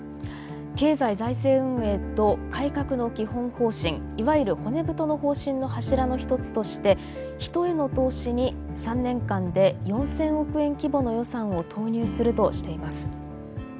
経済財政運営と改革の基本方針いわゆる骨太の方針の柱の一つとして人への投資に３年間で４，０００億円規模の予算を投入するとしています。